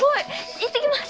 行ってきます！